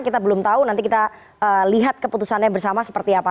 kita belum tahu nanti kita lihat keputusannya bersama seperti apa